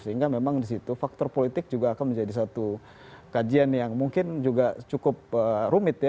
sehingga memang di situ faktor politik juga akan menjadi satu kajian yang mungkin juga cukup rumit ya